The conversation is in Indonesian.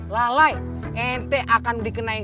lalai ente akan dikenai